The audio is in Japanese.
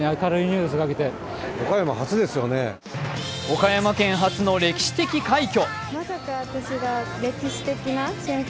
岡山県初の歴史的快挙。